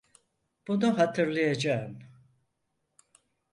Bunu hatırlayacağım.